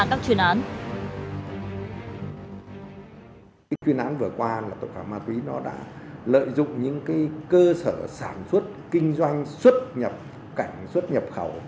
các chuyên án vừa qua tội phạm ma túy đã lợi dụng những cơ sở sản xuất kinh doanh xuất nhập cảnh xuất nhập khẩu